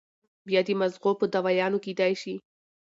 بيا د مزغو پۀ دوايانو کېدے شي